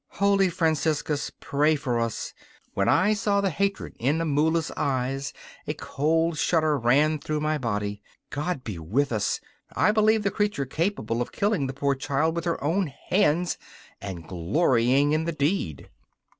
Holy Franciscus, pray for us! when I saw the hatred in Amula's eyes a cold shudder ran through my body. God be with us! I believe the creature capable of killing the poor child with her own hands, and glorying in the deed!